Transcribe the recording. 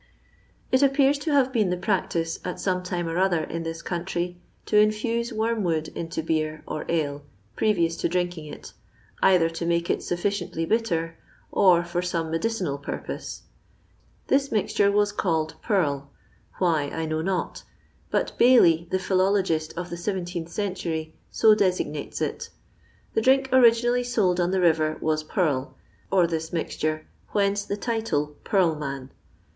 It appears to have been the practice at some time or other in this country to infuse wormwood into beer or ale previous to drinking it, either to make it sufficiently bitter, or for some medicinal purpose. This mixture was calleda^aW — why I know not, but Dailry, the phi^ftlst of the saventeenth century, so designates it The drink originally sold on the river was purl, or this mixture, whence the title, purl man.